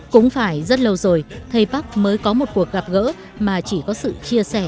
chúc thầy luôn luôn mạnh khỏe